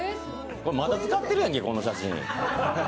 まだ使ってるやんけ、この写真。